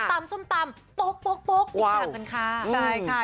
ตำซุ่มตำโป๊กโป๊กโป๊กติดถามกันค่ะใช่ค่ะ